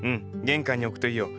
玄関に置くといいよ。